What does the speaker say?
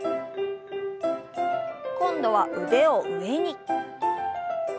今度は腕を上に。